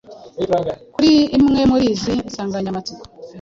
kuri imwe muri izi nsanganyamatsiko.